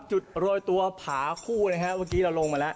โรยตัวผาคู่นะฮะเมื่อกี้เราลงมาแล้ว